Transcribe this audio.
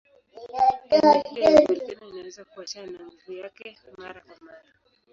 Aina hiyo ya volkeno inaweza kuachana na nguvu yake mara kwa mara.